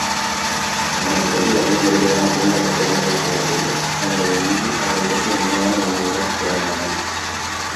அவனது கையில் அதே மிருதுவான பூம்பந்து புரண்டதைப் போலவே, அவனுடைய நெஞ்சில் அவளைப் பற்றிய மென்மையான நினைவுகள் புரண்டன.